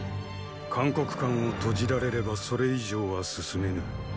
函谷関を閉じられればそれ以上は進めぬ。